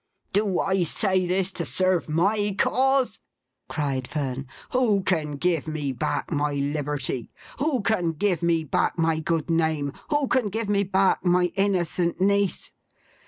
'Do I say this to serve MY cause!' cried Fern. 'Who can give me back my liberty, who can give me back my good name, who can give me back my innocent niece?